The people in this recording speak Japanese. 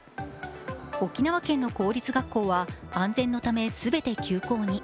沖縄県の公立学校は安全のため全て休校に。